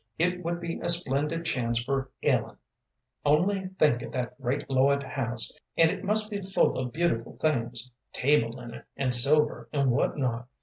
It would be a splendid chance for Ellen. Only think of that great Lloyd house, and it must be full of beautiful things table linen, and silver, and what not.